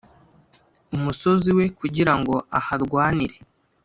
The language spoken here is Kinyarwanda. umusozi we, kugira ngo aharwanire.